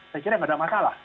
saya kira nggak ada masalah